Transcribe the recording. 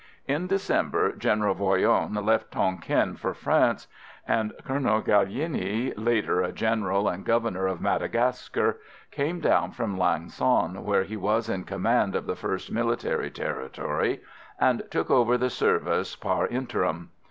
In December General Voyron left Tonquin for France, and Colonel Gallieni, later a General and Governor of Madagascar, came down from Lang son, where he was in command of the 1st Military Territory, and took over the service par interim.